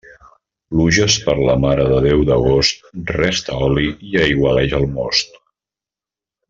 Pluges per la Mare de Déu d'agost, resta oli i aigualeix el most.